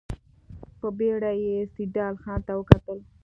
په بېړه يې سيدال خان ته وکتل.